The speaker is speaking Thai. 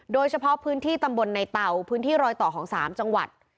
โดยเฉพาะพื้นที่ตำบลในเตาพื้นที่รอยต่อของ๓จังหวัด